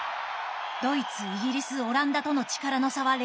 ドイツイギリスオランダとの力の差は歴然。